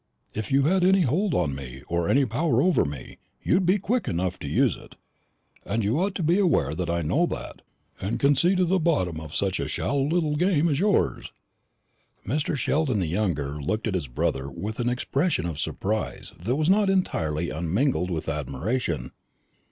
If you had any hold upon me, or any power over me, you'd be quick enough to use it; and you ought to be aware that I know that, and can see to the bottom of such a shallow little game as yours." Mr. Sheldon the younger looked at his brother with an expression of surprise that was not entirely unmingled with admiration.